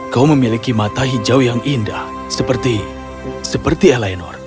kau memiliki mata hijau yang indah seperti eleanor